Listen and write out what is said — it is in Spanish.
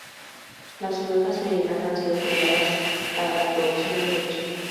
Las ovejas merinas han sido criadas para la producción de leche.